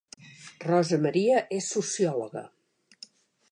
Rosa Maria és sociòloga